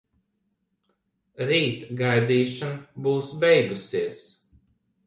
Rīt gaidīšana būs beigusies.